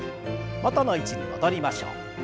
元の位置に戻りましょう。